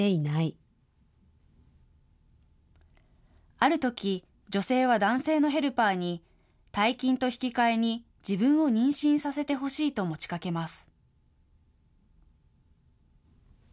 あるとき、女性は男性のヘルパーに、大金と引き換えに自分を妊娠させてほしいと持ちかけます。